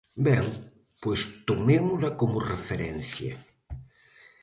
Ben, pois tomémola como referencia.